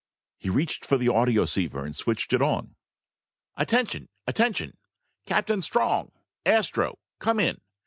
He reached for the audioceiver and switched it on. "Attention! Attention! Captain Strong! Astro! Come in!